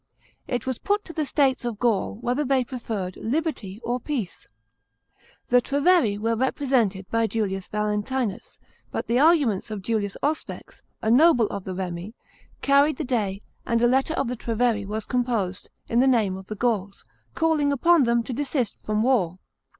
It was put to the states of Gaul whether they preferred "liberty or peace." The Treveri were represented by Julius Valentinus, but the arguments of Julius Auspex, a noble of the Remi, carried the day, and a letter to the Treveri was composed " in the name of the Gauls," calling upon them to desist from v\ar.